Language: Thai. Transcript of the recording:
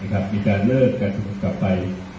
ที่การเลิกการถูกกลับไป